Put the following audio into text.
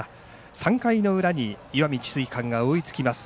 ３回の裏に石見智翠館が追いつきます。